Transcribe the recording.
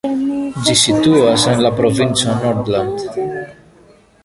Ĝi situas en la provinco Nordland.